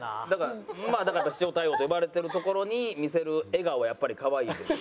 まあだから塩対応と言われてるところに見せる笑顔がやっぱりかわいいですし。